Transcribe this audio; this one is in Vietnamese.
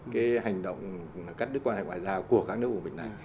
cái hành động cắt đứt quan hệ ngoại giao của các nước của mình này